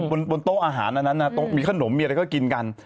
บนโต๊ะอาหารอันนั้นมีขนมมีอะไรก็กินกัน